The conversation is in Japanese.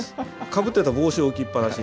かぶってた帽子置きっぱなし。